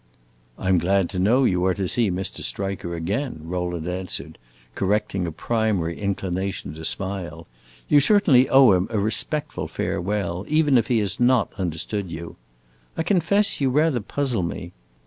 '" "I 'm glad to know you are to see Mr. Striker again," Rowland answered, correcting a primary inclination to smile. "You certainly owe him a respectful farewell, even if he has not understood you. I confess you rather puzzle me.